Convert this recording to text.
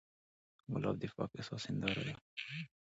ګلاب د پاک احساس هنداره ده.